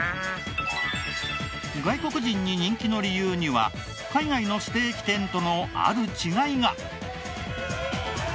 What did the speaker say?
外国人に人気の理由には海外のステーキ店とのある違いが。